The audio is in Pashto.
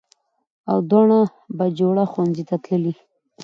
او دواړه بهجوړه ښوونځي ته تللې